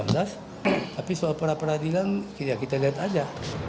tapi soal peradilan kita lihat aja